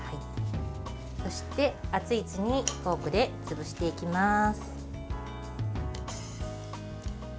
そして熱いうちにフォークで潰していきます。